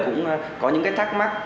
cũng có những cái thắc mắc